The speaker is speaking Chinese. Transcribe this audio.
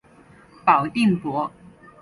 保定伯。